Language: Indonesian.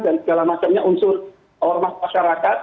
dan segala macamnya unsur hormat masyarakat